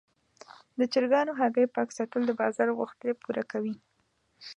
د چرګانو هګۍ پاک ساتل د بازار غوښتنې پوره کوي.